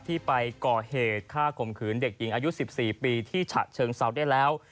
ที่ไปก่อเหตุฆ่าข่มขืนเด็กหญิงอายุ๑๔ปีที่ฉะเชิงเซาได้แล้ว